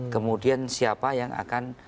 kemudian siapa yang akan